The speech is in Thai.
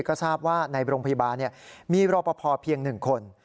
ก็ทราบว่าในโรงพยาบาลมีรอปภเพียง๑คน